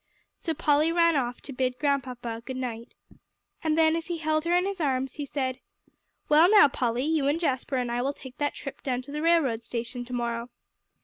So Polly ran off to bid Grandpapa good night. And then as he held her in his arms, he said, "Well, now, Polly, you and Jasper and I will take that trip down to the railroad station to morrow."